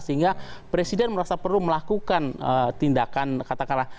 sehingga presiden merasa perlu melakukan tindakan katakanlah